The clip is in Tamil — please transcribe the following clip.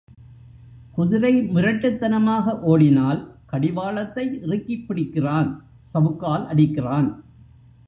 குதிரை முரட்டுத்தனமாக ஓடினால் கடிவாளத்தை இறுக்கிப் பிடிக்கிறான் சவுக்கால் அடிக்கிறான்.